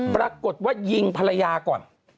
ปรากฏว่ายิงภรรยาก่อน